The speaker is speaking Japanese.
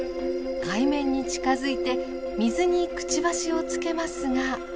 海面に近づいて水にくちばしをつけますが。